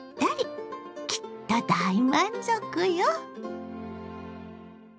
きっと大満足よ。